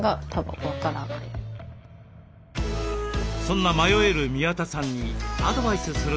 そんな迷える宮田さんにアドバイスするのは。